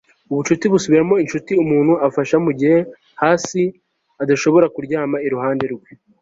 ubucuti busubiramo inshuti umuntu afasha mugihe hasi adashobora kuryama iruhande rwawe